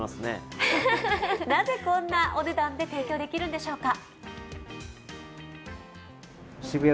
なぜこんなお値段で提供できるんでしょうか。